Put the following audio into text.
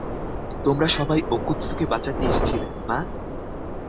তোমরা সবাই ওকোৎসুকে বাঁচাতে এসেছিলে, না?